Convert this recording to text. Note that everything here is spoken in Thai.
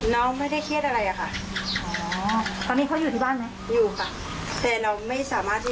น้องไม่ได้เครียดอะไรละค่ะอ๋อตอนนี้เขายุ่ที่บ้านไหม